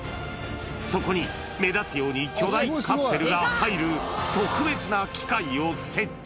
そこに目立つように巨大カプセルが入る特別な機械を設置。